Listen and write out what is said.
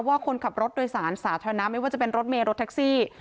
ว่าคนขับรถโดยสารสาธารณะไม่ว่าจะเป็นรถเมย์รถแท็กซี่